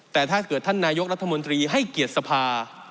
แต่ถ้าเกิดท่านนายกรัฐมนตรีให้เกียรติสภา